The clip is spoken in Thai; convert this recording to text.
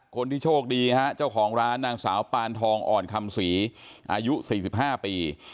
คนที่โชคดีฮะเจ้าของร้านนางสาวปานทองอ่อนคำศรีอายุ๔๕ปี